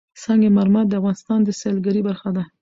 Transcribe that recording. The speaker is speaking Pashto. سنگ مرمر د افغانستان د سیلګرۍ برخه ده.